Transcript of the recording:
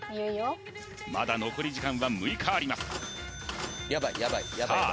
まだ残り時間は６日ありますさあ